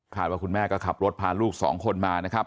ว่าคุณแม่ก็ขับรถพาลูกสองคนมานะครับ